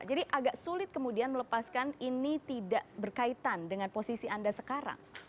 jadi agak sulit kemudian melepaskan ini tidak berkaitan dengan posisi anda sekarang